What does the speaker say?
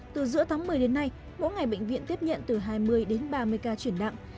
từ giữa tháng một mươi đến nay mỗi ngày bệnh viện tiếp nhận từ hai mươi đến ba mươi cao